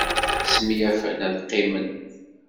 Smenyafen ad qqimen.